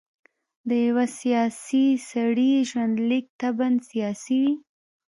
د یوه سیاسي سړي ژوندلیک طبعاً سیاسي وي.